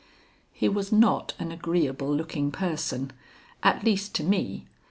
He was not an agreeable looking person, at least to me.